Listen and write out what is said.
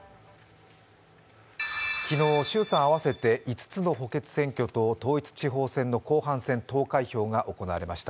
昨日、衆参合わせて５つの補欠選挙と統一地方選の後半戦、投開票が行われました。